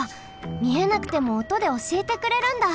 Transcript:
みえなくてもおとでおしえてくれるんだ。